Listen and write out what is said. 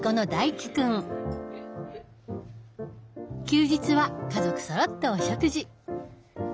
休日は家族そろってお食事。